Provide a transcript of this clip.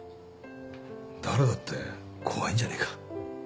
誰だって怖いんじゃねえか？